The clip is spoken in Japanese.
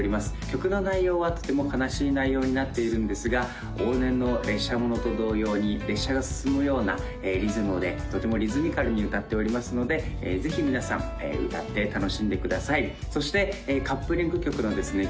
曲の内容はとても悲しい内容になっているんですが往年の列車ものと同様に列車が進むようなリズムでとてもリズミカルに歌っておりますのでぜひ皆さん歌って楽しんでくださいそしてカップリング曲のですね